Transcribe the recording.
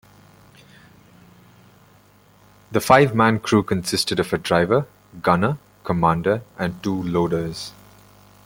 The five-man crew consisted of a driver, gunner, commander and two loaders.